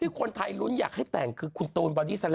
พี่คนไทยรุ้นอยากให้แต่งคือคุณตูนกับไอ้ก้อย